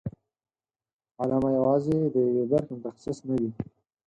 علامه یوازې د یوې برخې متخصص نه وي.